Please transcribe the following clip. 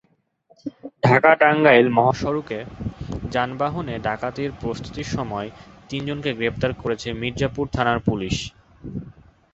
ঢাকা-টাঙ্গাইল মহাসড়কে যানবাহনে ডাকাতির প্রস্তুতির সময় তিনজনকে গ্রেপ্তার করেছে মির্জাপুর থানার পুলিশ।